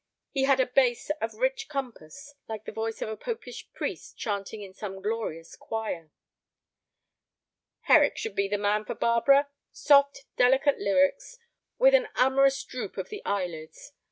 He had a bass of rich compass, like the voice of a popish priest chanting in some glorious choir. "Herrick should be the man for Barbara. Soft, delicate lyrics, with an amorous droop of the eyelids.